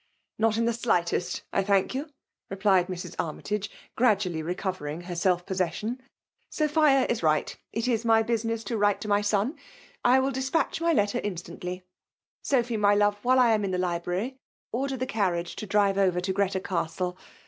'' Not in the slightest, I thank you," replied Mrs. Armytage, gradually recovering her self possession. *' Sophia is right ; it o my busi ness to write to my son; I will despatch my letter instantly. — Sophy, my love, while I am in the library, order the carriage to drive over to Greta Coigtle.